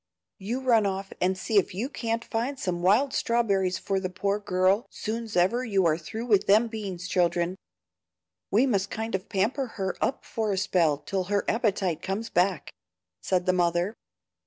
You run off and see if you can't find some wild strawberries for the poor girl, soon's ever you are through with them beans, children. We must kind of pamper her up for a spell till her appetite comes back," said the mother.